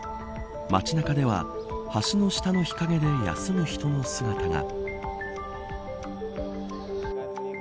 街中では橋の下の日陰で休む人の姿が。